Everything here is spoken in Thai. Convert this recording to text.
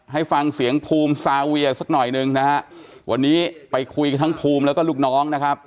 ให้ฟังเสียงภูมิซาเวียสักหน่อยหนึ่งนะฮะวันนี้ไปคุยกับทั้งภูมิแล้วก็ลูกน้องนะครับ